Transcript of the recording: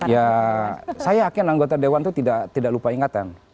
ya saya yakin anggota dewan itu tidak lupa ingatan